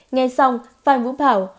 nghe xong phan vũ bảo